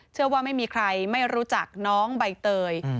เชื่อว่าไม่มีใครไม่รู้จักน้องใบเตย